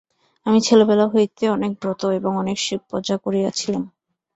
আমি ছেলেবেলা হইতে অনেক ব্রত এবং অনেক শিবপূজা করিয়াছিলাম।